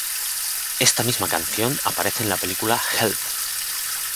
Esta misma canción aparece en la película "Help!